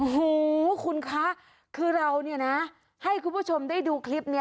โอ้โหคุณคะคือเราเนี่ยนะให้คุณผู้ชมได้ดูคลิปนี้